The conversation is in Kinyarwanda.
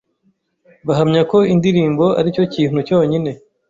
bahamya ko indirimbo ari cyo kintu cyonyine